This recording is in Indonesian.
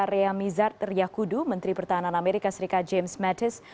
rea mizard riyakudu menteri pertahanan amerika serikat james mattis